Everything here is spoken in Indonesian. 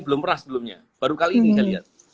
belum pernah sebelumnya baru kali ini saya lihat